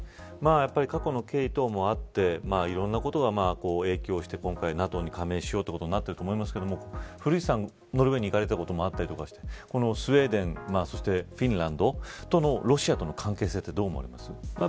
過去の経緯等もあっていろんなことが影響して、今回ＮＡＴＯに加盟しようとなっていると思いますが古市さん、ルーウェイに行かれたこともあったりしてスウェーデン、フィンランドとのロシアとの関係性はどう思われますか。